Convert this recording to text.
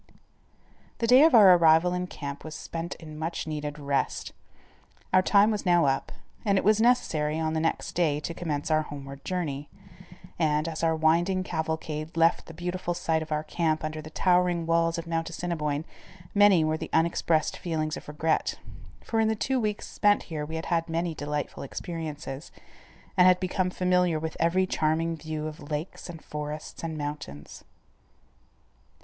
The day of our arrival in camp was spent in much needed rest. Our time was now up, and it was necessary, on the next day, to commence our homeward journey, and, as our winding cavalcade left the beautiful site of our camp under the towering walls of Mount Assiniboine, many were the unexpressed feelings of regret, for in the two weeks spent here we had had many delightful experiences, and had become familiar with every charming view of lakes and forests and mountains.